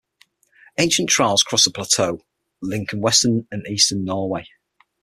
Ancient trails cross the plateau, linking western and eastern Norway.